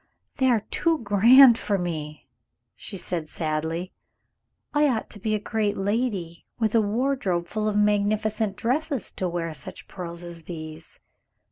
"They are too grand for me," she said sadly; "I ought to be a great lady, with a wardrobe full of magnificent dresses, to wear such pearls as these!"